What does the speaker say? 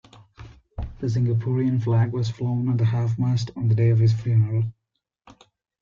The Singaporean flag was flown at half-mast on the day of his funeral.